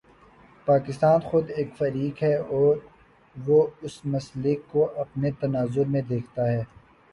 پاکستان خود ایک فریق ہے اور وہ اس مسئلے کو اپنے تناظر میں دیکھتا ہے۔